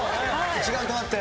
一丸となって。